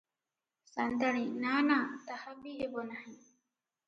ସା’ନ୍ତାଣୀ – ନା – ନା, ତାହା ବି ହେବ ନାହିଁ ।